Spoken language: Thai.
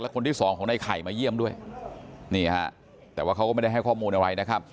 และคนที่สองของในไข่มาเยี่ยมด้วยแต่ว่าเขาก็ไม่ได้ให้ข้อมูลอะไร